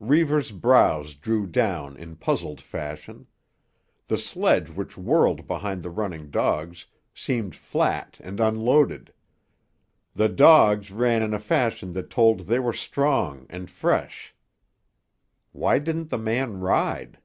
Reivers' brows drew down in puzzled fashion. The sledge which whirled behind the running dogs seemed flat and unloaded; the dogs ran in a fashion that told they were strong and fresh. Why didn't the man ride?